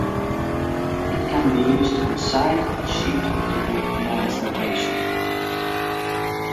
It can be used on site or shipped to the female's location.